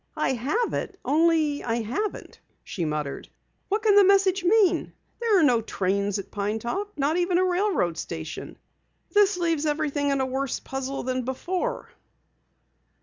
"I have it, only I haven't," she muttered. "What can the message mean? There are no trains at Pine Top not even a railroad station. This leaves everything in a worse puzzle than before!"